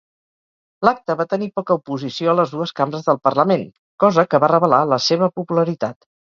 L'acte va tenir poca oposició a les dues cambres del Parlament, cosa que va revelar la seva popularitat.